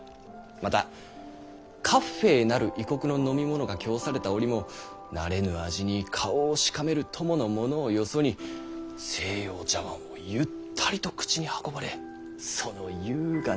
またカッフェなる異国の飲み物が供された折も慣れぬ味に顔をしかめる供の者をよそに西洋茶碗をゆったりと口に運ばれその優雅なこと。